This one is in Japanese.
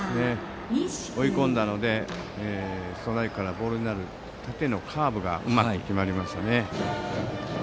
追い込んだのでストライクからボールになる縦のカーブがうまく決まりましたね。